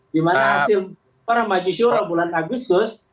dimana hasil para majusura bulan agustus